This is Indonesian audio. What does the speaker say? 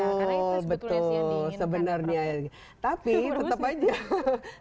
karena itu sebetulnya sih yang diinginkan